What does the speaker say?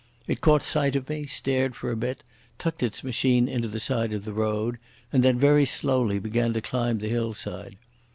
It caught sight of me, stared for a bit, tucked its machine into the side of the road, and then very slowly began to climb the hillside.